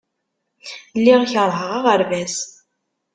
Lliɣ keṛheɣ aɣerbaz.